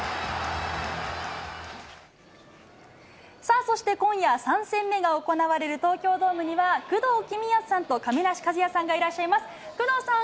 さあ、そして今夜、３戦目が行われる東京ドームには、工藤公康さんと亀梨和也さんがいらっしゃいます。